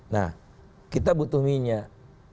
nah kita butuh minyak